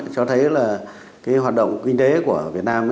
cho thấy là cái hoạt động kinh tế của việt nam